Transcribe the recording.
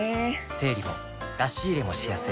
整理も出し入れもしやすい